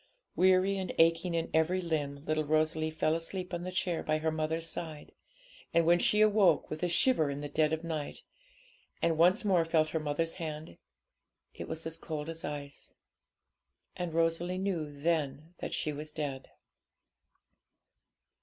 Weary and aching in every limb, little Rosalie fell asleep on the chair by her mother's side; and when she awoke with a shiver in the dead of night, and once more felt her mother's hand, it was as cold as ice. And Rosalie knew then that she was dead.